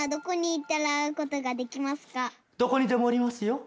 どこにでもおりますよ。